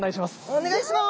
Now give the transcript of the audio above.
お願いします！